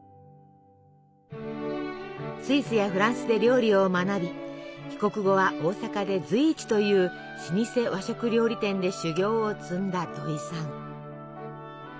スイスやフランスで料理を学び帰国後は大阪で随一という老舗和食料理店で修業を積んだ土井さん。